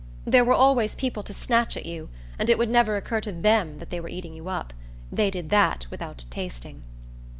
There were always people to snatch at you, and it would never occur to THEM that they were eating you up. They did that without tasting.